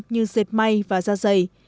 như dệt may và da dày